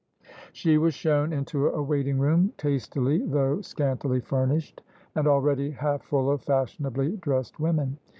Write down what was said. She was shown into a waiting room tastily though scantily furnished, and already half full of fashionably dressed women.